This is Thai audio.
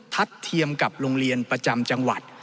เทียมกับโรงเรียนประจำจังหวัด